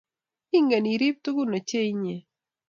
Ingen irib tugun ochei inye